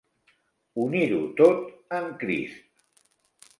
"Unir-ho tot en Crist".